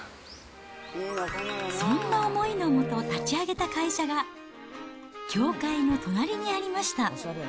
そんな思いの下、立ち上げた会社が、教会の隣にありました。